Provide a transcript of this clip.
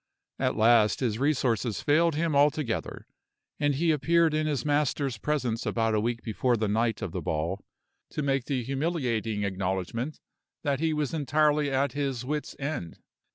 At last his resources failed him altogether; and he appeared in his master's presence about a week before the night of the ball, to make the humiliating acknowledgment that he was entirely at his wits' end.